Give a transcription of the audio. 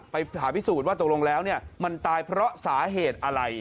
ผ่าพิสูจน์ว่าตกลงแล้วมันตายเพราะสาเหตุอะไร